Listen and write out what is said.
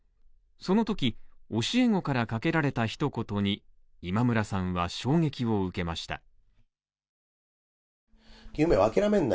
その時、教え子からかけられた一言に、今村さんは衝撃を受けました。